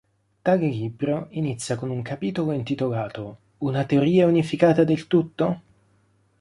Tale libro inizia con un capitolo intitolato "Una teoria unificata del tutto?